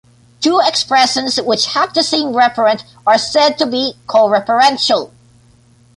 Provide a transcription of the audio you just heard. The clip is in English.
Two expressions which have the same referent are said to be co-referential.